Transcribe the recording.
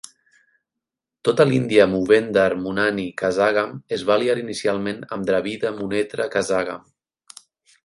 Tota l'India Moovendar Munnani Kazhagam es va aliar inicialment amb Dravida Munnetra Kazhagam.